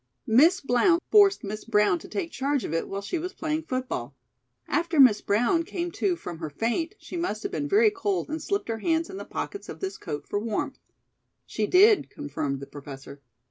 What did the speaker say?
"Miss Blount forced Miss Brown to take charge of it while she was playing football. After Miss Brown came to from her faint, she must have been very cold and slipped her hands in the pockets of this coat for warmth " "She did," confirmed the Professor.